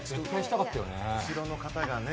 後ろの方がね